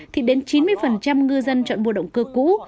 thì đến chín mươi ngư dân chọn mùa động cơ cũ